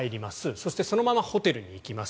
そして、そのままホテルに行きます。